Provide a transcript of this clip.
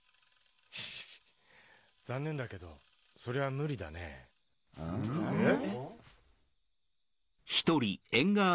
・シシシシ残念だけどそれは無理だね・えっ？